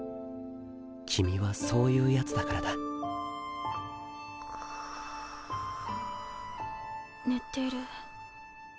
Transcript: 君はそういうヤツだからだ寝てる。